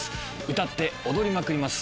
歌って踊りまくります